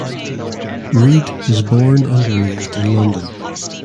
Reid was born and raised in London.